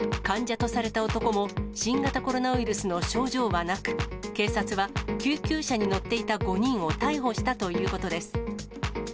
患者とされた男も、新型コロナウイルスの症状はなく、警察は救急車に乗っていた５人を逮捕したということです。